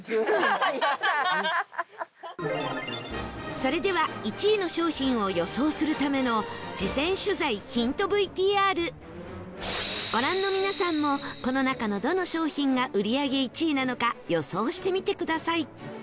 それでは１位の商品を予想するための事前取材ヒント ＶＴＲご覧の皆さんもこの中のどの商品が売り上げ１位なのか予想してみてください